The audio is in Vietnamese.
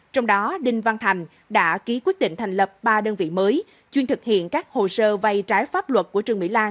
trong đó đinh văn thành đã ký quyết định thành lập ba đơn vị mới chuyên thực hiện các hồ sơ vay trái pháp luật của trương mỹ lan